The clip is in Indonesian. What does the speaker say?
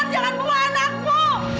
jangan pukul anakmu